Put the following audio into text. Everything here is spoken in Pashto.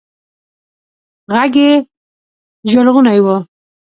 ږغ يې ژړغونى و.